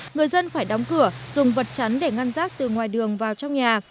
người dân phải đóng cửa dùng vật chắn để ngăn rác từ ngoài đường vào trong nhà